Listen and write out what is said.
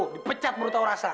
dipecat menurut tahu rasa